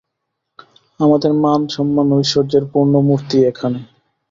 আমাদের মান-সম্মান-ঐশ্বর্যের পূর্ণ মূর্তিই এখানে।